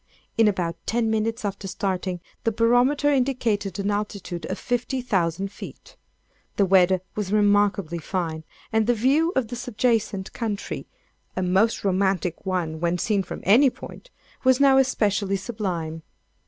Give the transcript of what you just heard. In about ten minutes after starting, the barometer indicated an altitude of 15,000 feet. The weather was remarkably fine, and the view of the subjacent country—a most romantic one when seen from any point,—was now especially sublime.